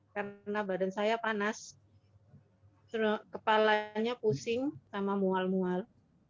karena badan saya panas kepalanya pusing sama mual mual